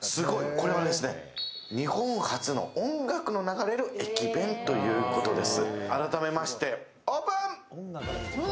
これは日本初の音楽の流れる駅弁ということです。